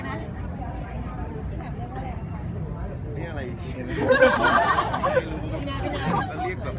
ตอบได้เพราะที่ตอบ